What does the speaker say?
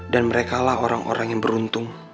dan mereka lah orang orang yang beruntung